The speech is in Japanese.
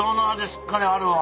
しっかりあるわ。